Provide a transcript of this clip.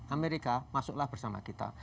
amerika masuklah bersama kita